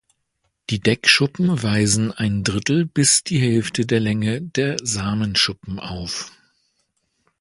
Die Deckschuppen weisen ein Drittel bis die Hälfte der Länge der Samenschuppen auf.